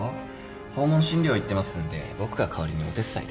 訪問診療行ってますんで僕が代わりにお手伝いで。